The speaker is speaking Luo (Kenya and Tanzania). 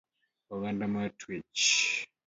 Okanda mar twech